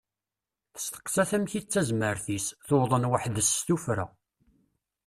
Testeqsa-t amek i d tazmert-is, tuḍen weḥdes s tuffra.